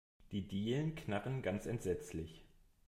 Die Dielen knarren ganz entsetzlich.